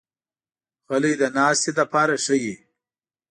غلۍ د ناستې لپاره ښه وي.